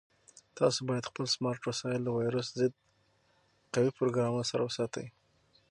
تاسو باید خپل سمارټ وسایل له ویروس ضد قوي پروګرامونو سره وساتئ.